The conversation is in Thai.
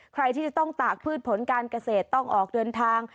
ใครที่จะต้องตากพืชผลการเกษตรต้องออกเดินทาง